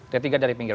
ketiga dari pinggir